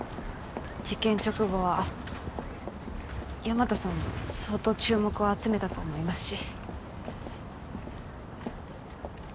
事件直後は大和さんも相当注目を集めたと思いますし。